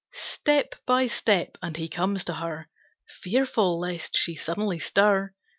Step by step, and he comes to her, Fearful lest she suddenly stir.